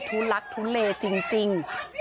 ทุลักทุเลจริง